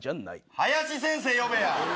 林先生呼べや。